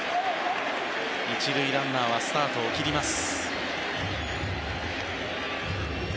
１塁ランナーはスタートを切ります。